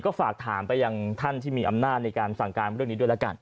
ก็ฝากถามไปยังท่านที่มีอำนาจในการสั่งการเรื่องนี้ด้วยแล้วกัน